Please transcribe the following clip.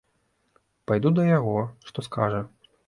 Пайду да яго, што скажа.